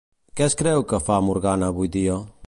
Què es creu que fa Morgana avui dia?